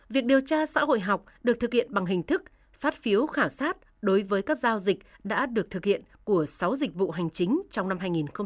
việc điều tra xã hội học được thực hiện bằng hình thức phát phiếu khảo sát đối với các giao dịch đã được thực hiện của sáu dịch vụ hành chính trong năm hai nghìn một mươi chín